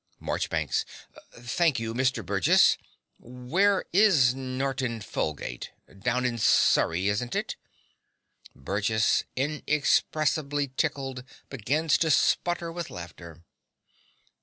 MARCHBANKS. Thank you, Mr. Burgess. Where is Norton Folgate down in Surrey, isn't it? (Burgess, inexpressibly tickled, begins to splutter with laughter.)